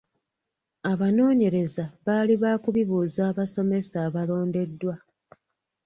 Abanoonyereza baali baakubibuuza abasomesa abalondeddwa.